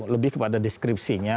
lebih kepada deskripsinya